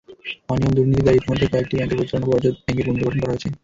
অনিয়ম-দুর্নীতির দায়ে ইতিমধ্যে কয়েকটি ব্যাংকের পরিচালনা পর্যদ ভেঙে পুনর্গঠন করা হয়েছে।